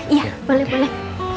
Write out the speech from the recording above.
iya boleh boleh